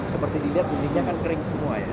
seperti dilihat dindingnya kan kering semua ya